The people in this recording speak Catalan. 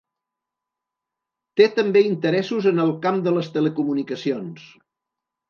Té també interessos en el camp de les telecomunicacions.